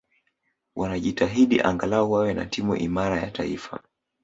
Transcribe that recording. wanajitahidi angalau wawe na timu imarabya ya taifa